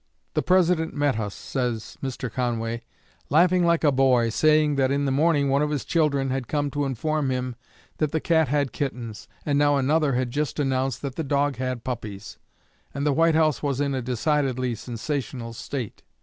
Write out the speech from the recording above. "The President met us," says Mr. Conway, "laughing like a boy, saying that in the morning one of his children had come to inform him that the cat had kittens, and now another had just announced that the dog had puppies, and the White House was in a decidedly sensational state.